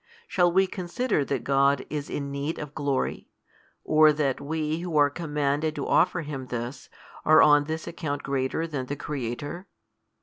Shall we consider that God is in need of glory, or that we who are commanded to offer Him this, are on this account greater than the Creator?